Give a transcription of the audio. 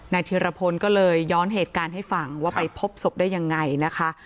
ธิรพลก็เลยย้อนเหตุการณ์ให้ฟังว่าไปพบศพได้ยังไงนะคะ